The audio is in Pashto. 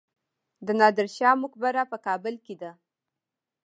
د نادر شاه مقبره په کابل کې ده